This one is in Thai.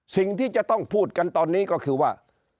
สิ่งที่จะต้องพูดกันตอนนี้ก็คือว่า